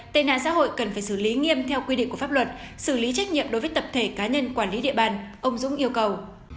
tệ nạn xã hội cần phải xử lý nghiêm theo quy định của pháp luật xử lý trách nhiệm đối với tập thể cá nhân quản lý địa bàn ông dũng yêu cầu